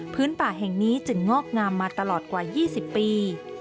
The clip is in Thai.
ป่าแห่งนี้จึงงอกงามมาตลอดกว่า๒๐ปี